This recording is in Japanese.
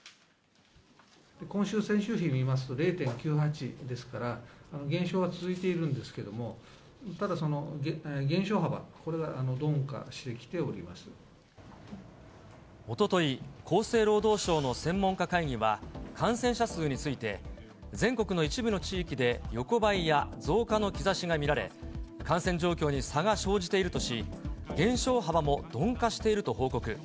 今週先週比でいいますと、０．９８ですから、減少は続いているんですけれども、ただ減少幅、これが鈍化してきておととい、厚生労働省の専門家会議は、感染者数について、全国の一部の地域で横ばいや増加の兆しが見られ、感染状況に差が生じているとし、減少幅も鈍化していると報告。